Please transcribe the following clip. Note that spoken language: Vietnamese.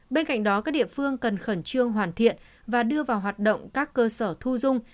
bên cạnh đó các địa phương cần khẩn trương hoàn thiện và đưa vào hoạt động các cơ sở thu dung